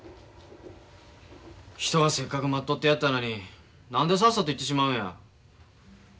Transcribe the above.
人がせっかく待っとってやったのに何でさっさと行ってしまうんや。